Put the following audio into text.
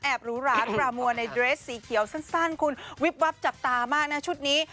หรูหรามัวในเดรสสีเขียวสั้นคุณวิบวับจับตามากนะชุดนี้